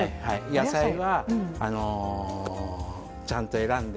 野菜はちゃんと選んで。